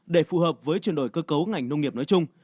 để phù hợp với chuyển đổi cơ cấu ngành nông nghiệp nói chung